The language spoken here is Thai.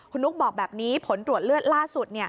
คุณนุ๊กบอกแบบนี้ผลตรวจเลือดล่าสุด